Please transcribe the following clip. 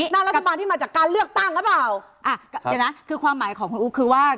รัฐบาลที่มาจากการเลือกตั้งหรือเปล่าอ่ะเดี๋ยวนะคือความหมายของคุณอู๋คือว่า